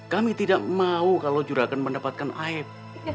kami tidak mau kalau juragan mendapatkan aib